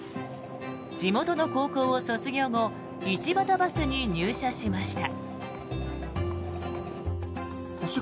地元の高校を卒業後一畑バスに入社しました。